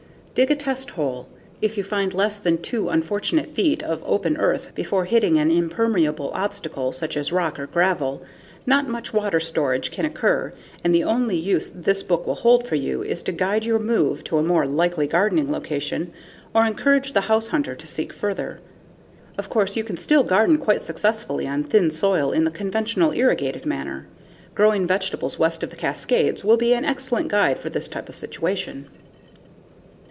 Dig a test hole. If you find less than 2 unfortunate feet of open earth before hitting an impermeable obstacle such as rock or gravel, not much water storage can occur and the only use this book will hold for you is to guide your move to a more likely gardening location or encourage the house hunter to seek further. Of course, you can still garden quite successfully on thin soil in the conventional, irrigated manner. Growing Vegetables West of the Cascades will be an excellent guide for this type of situation.